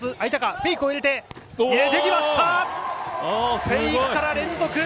フェイクから連続！